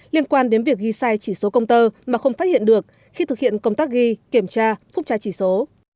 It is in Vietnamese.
liên quan đến việc ghi sai chỉ số công tơ mà không phát hiện được khi thực hiện công tác ghi kiểm tra phúc tra chỉ số